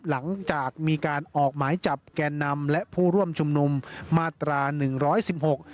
หลังจากมีการออกหมายจับแกนนำและผู้ร่วมชุมนุมมาตราหนึ่งร้อยสิบหก